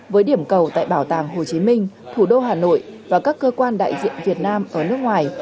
với điểm cầu tại bảo tàng hồ chí minh thủ đô hà nội và các cơ quan đại diện việt nam ở nước ngoài